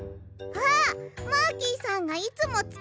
あっマーキーさんがいつもつかってるやつだ！